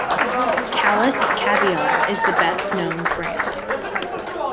Kalles kaviar is the best-known brand.